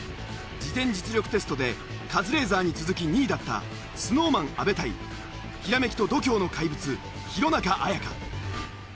事前実力テストでカズレーザーに続き２位だったＳｎｏｗＭａｎ阿部対ひらめきと度胸の怪物弘中綾香。